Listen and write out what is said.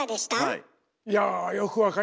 はい。